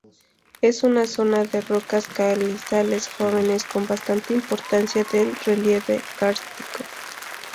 Es una zona de rocas calizas jóvenes, con bastante importancia del relieve kárstico.